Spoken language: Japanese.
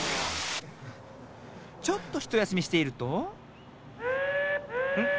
ちょっとひとやすみしているとん？